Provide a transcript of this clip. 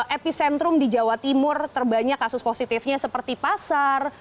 epicentrum di jawa timur terbanyak kasus positifnya seperti pasar